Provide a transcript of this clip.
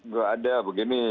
tidak ada begini